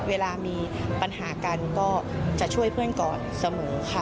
เวลามีปัญหากันก็จะช่วยเพื่อนก่อนเสมอค่ะ